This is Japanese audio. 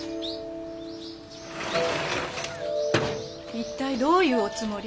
一体どういうおつもり？